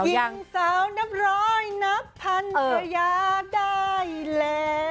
หญิงสาวนับร้อยนับพันพระยาได้แล้ว